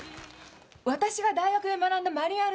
「私が大学で学んだマニュアルでは」